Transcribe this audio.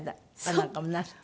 なんかもなすったり？